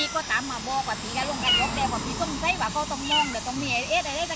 เวลา๑๑๐๐นวันส้มเท่าที่๑๒๐๐นหลายคนถูกรอดที่แผ่นที่๓๐๐นเป็นรายเท่าที่เสี่ยงลงไปกันที่๓๐๐น